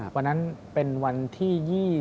วันนั้นเป็นวันที่๒๐